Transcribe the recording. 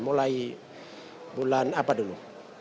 mulai bulan apa dulu